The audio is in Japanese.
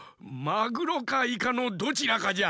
マグロかイカのどちらかじゃ。